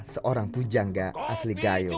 seorang pujangga asli gayo